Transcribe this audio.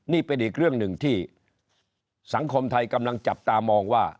นี่เป็นอีกเรื่องหนึ่งที่สังคมไทยกำลังจับตามองว่า